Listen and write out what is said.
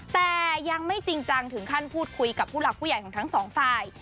แต่ยังไม่จริงจังถึงขั้นพูดคุยกับผู้หลักผู้ใหญ่ของทั้งสองฝ่าย